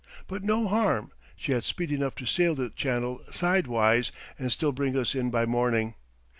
But no harm; she had speed enough to sail the Channel sidewise and still bring us in by morning.